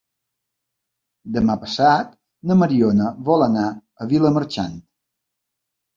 Demà passat na Mariona vol anar a Vilamarxant.